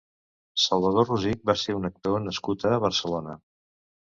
Salvador Rosich va ser un actor nascut a Barcelona.